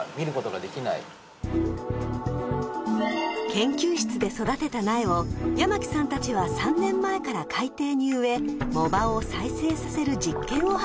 ［研究室で育てた苗を山木さんたちは３年前から海底に植え藻場を再生させる実験を始めていました］